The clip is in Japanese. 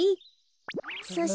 そして。